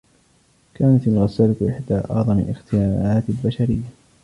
كانت الغسّالة إحدى أعظم اختراعات البشرية.